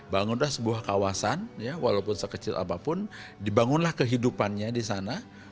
bangunlah sebuah kawasan walaupun sekecil apapun dibangunlah kehidupannya di sana